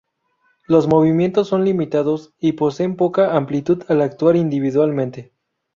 Los movimientos son limitados y poseen poca amplitud al actuar individualmente.